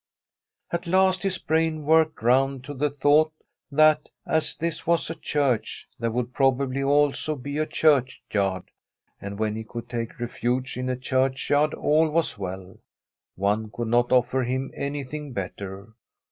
At last his brain worked round to the thought that, as this was a church, there would prob ably also be a churchyard, and when he could take refuge in a churdiyard all was well. One could not offer him anything better.